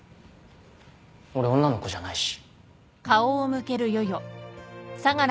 俺女の子じゃないし。